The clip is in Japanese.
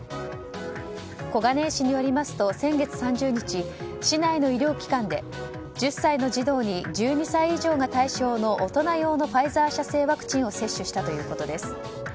小金井市によりますと先月３０日市内の医療機関で１０歳の児童に１２歳以上が対象の大人用のファイザー社製ワクチンを接種したということです。